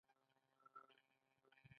بې نظم غول د ستونزې اشاره ده.